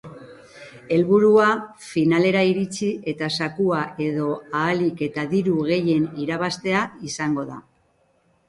Helburua finalera iritsi eta zakua edo ahalik eta diru gehien irabaztea izango da.